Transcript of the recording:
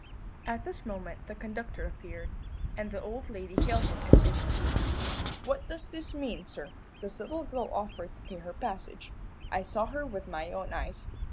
At this moment the conductor appeared, and the old lady hailed him indignantly. "What does this mean, sir? This little girl offered to pay her passage. I saw her with my own eyes.